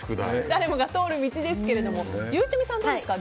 誰もが通る道ですけどもゆうちゃみさん、どうですか。